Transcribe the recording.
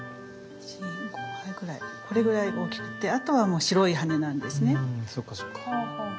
これぐらい大きくてあとはもう白い羽根なんですね。